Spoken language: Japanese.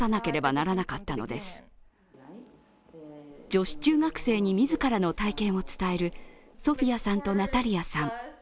女子中学生に自らの体験を伝えるソフィアさんとナタリアさん。